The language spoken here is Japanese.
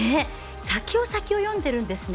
先を先を読んでいるんですね。